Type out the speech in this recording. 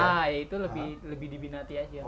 sampai tiga d itu lebih dibinati aja